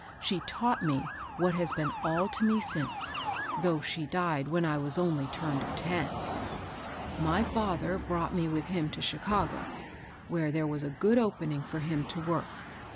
She taught me what has been all to me since, though she died when I was only turned of ten. " My father brought me with him to Chicago, where there was a good opening for him to work.